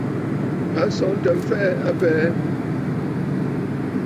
À sɔ̀ɔ̀ntə mfɛ̀ɛ a abɛɛ.